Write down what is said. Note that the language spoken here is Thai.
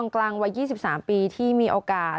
กลางวัย๒๓ปีที่มีโอกาส